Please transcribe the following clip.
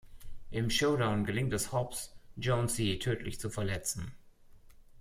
Im Showdown gelingt es Hobbes, Jonesy tödlich zu verletzen.